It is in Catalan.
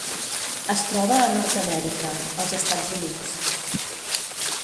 Es troba a Nord-amèrica: els Estats Units.